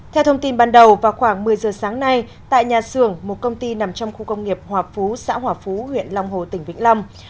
theo thông tin ban đầu vào khoảng một mươi giờ sáng nay tại nhà xưởng một công ty nằm trong khu công nghiệp hòa phú xã hòa phú huyện long hồ tỉnh vĩnh long